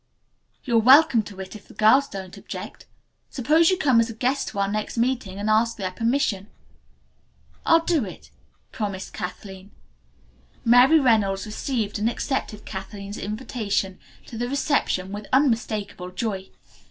"You're welcome to it if the girls don't object. Suppose you come as a guest to our next meeting and ask their permission." "I'll do it," promised Kathleen. Mary Reynolds received and accepted Kathleen's invitation to the reception with unmistakable joy.